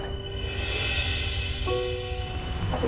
gak ada apa apa